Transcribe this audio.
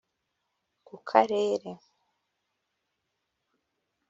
ku karere